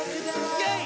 イェイ！